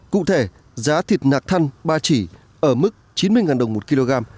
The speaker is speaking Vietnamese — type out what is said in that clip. cụ thể giá thịt nạc thăn ba chỉ ở mức chín mươi đồng một kg